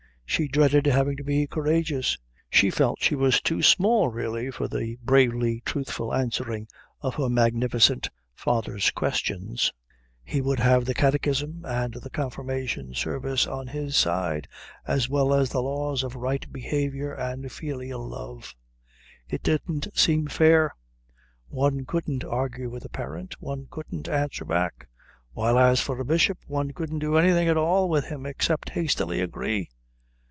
She dreaded having to be courageous. She felt she was too small really for the bravely truthful answering of her magnificent father's questions. He would have the catechism and the confirmation service on his side, as well as the laws of right behaviour and filial love. It didn't seem fair. One couldn't argue with a parent, one couldn't answer back; while as for a bishop, one couldn't do anything at all with him except hastily agree.